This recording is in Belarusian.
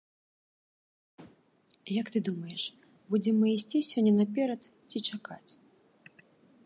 Як ты думаеш, будзем мы ісці сёння наперад ці чакаць?